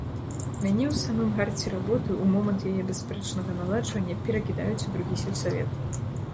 Мяне ў самым гарце работы, у момант яе бясспрэчнага наладжвання перакідаюць у другі сельсавет.